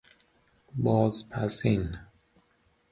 باز پسین